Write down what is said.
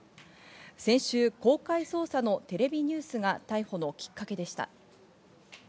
先週、公開捜査のテレビニュースが逮捕のきっかけでした。